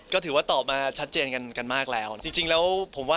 ก็ถือว่าตอบมาชัดเจนกันมากแล้ว